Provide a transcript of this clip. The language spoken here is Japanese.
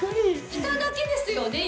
着ただけですよね？